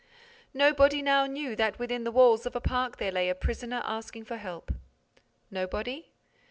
Nobody now knew that within the walls of a park there lay a prisoner asking for help. Nobody?